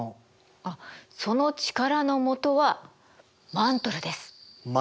あっその力のもとはマントル？